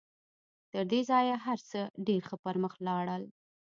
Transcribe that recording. تر دې ځايه هر څه ډېر ښه پر مخ ولاړل.